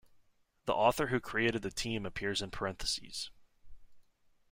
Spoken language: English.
The author who created the team appears in parentheses.